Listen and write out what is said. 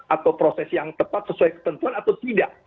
atau proses yang tepat sesuai ketentuan atau tidak